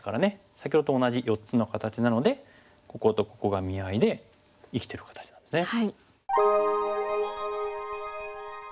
先ほどと同じ４つの形なのでこことここが見合いで生きてる形なんですね。